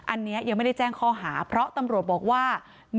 อันนี้ยังไม่ได้แจ้งข้อหาเพราะตำรวจบอกว่า